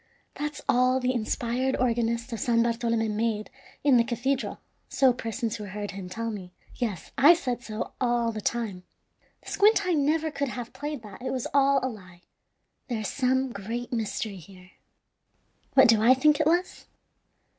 That's all the inspired organist of San Bartolome made in the cathedral, so persons who heard him tell me. Yes, I said so all the time. The squint eye never could have played that. It was all a lie. There is some great mystery here. What do I think it was?